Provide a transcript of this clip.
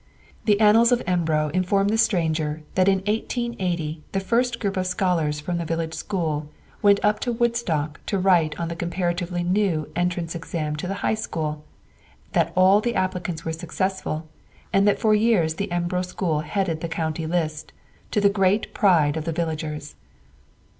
The annals of Embro inform the stranger that in 1880 the first group of scholars from the village school went up to Woodstock to write on the comparatively new entrance examination to the High School, that all the applicants were successful, and that for years the Embro school headed the county list, to the great pride of the villagers.